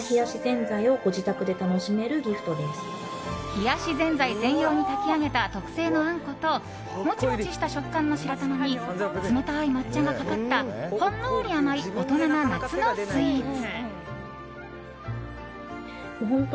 冷やしぜんざい専用に炊き上げた特製のあんことモチモチした食感の白玉に冷たい抹茶がかかったほんのり甘い大人な夏のスイーツ。